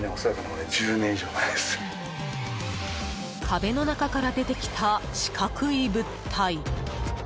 壁の中から出てきた四角い物体。